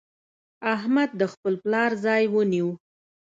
احمد د خپل پلار ځای ونيو.